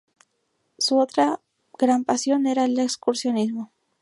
Su otra gran pasión era el excursionismo.